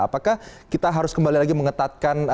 apakah kita harus kembali lagi mengetatkan